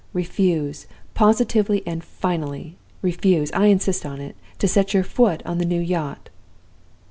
Refuse, positively and finally! Refuse, I insist on it, to set your foot on the new yacht!